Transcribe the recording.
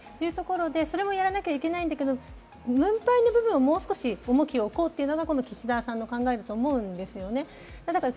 それもやらなきゃいけないんだけど分配に重きを置こうっていうのがこの岸田さんの考えだと思うんですよね。